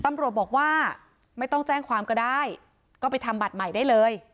ตำรวจบอกว่าไม่ต้องแจ้งความก็ได้ก็ไปทำบัตรใหม่ได้เลย